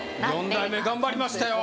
４代目頑張りましたよ